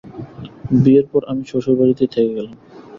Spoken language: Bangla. বিয়ের পর আমি শ্বশুরবাড়িতেই থেকে গেলাম।